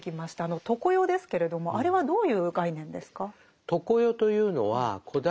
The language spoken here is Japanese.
あの「常世」ですけれどもあれはどういう概念ですか？